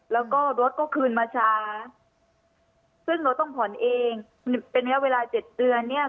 แล้วก็รถก็คืนมาช้าซึ่งเราต้องผ่อนเองเป็นระยะเวลาเจ็ดเดือนเนี่ย